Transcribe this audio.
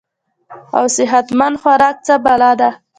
او صحت مند خوراک څۀ بلا ده -